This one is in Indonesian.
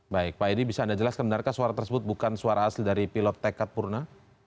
baik pak edi bisa anda jelaskan benarkah suara tersebut bukan suara asli dari pilot tekad purna